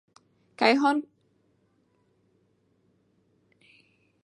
کیهان کونه غواړې.فرحان یی نه ورکوې